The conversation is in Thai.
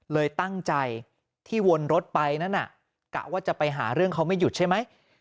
เลยตั้งใจที่วนรถไปนั้นกะว่าจะไปหาเรื่องเขาไม่หยุดใช่ไหม